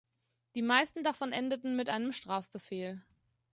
Die meisten davon endeten mit einem Strafbefehl.